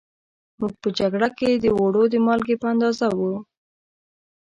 موږ په جگړه کې د اوړو د مالگې په اندازه وو